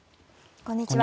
こんにちは。